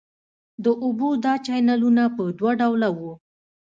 د اوبو دا چینلونه په دوه ډوله وو.